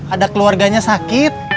ada keluarganya sakit